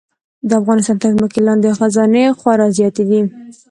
د افغانستان تر ځمکې لاندې خزانې خورا زیاتې دي.